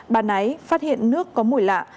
bà nái phát hiện nước có mùi lạ